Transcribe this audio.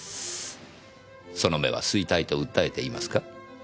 その目は吸いたいと訴えていますか？